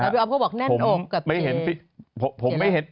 พี่ออฟก็บอกแน่นอกกับเจ๊